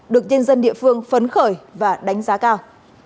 được nhân dân địa phương phấn khởi và đánh giá cao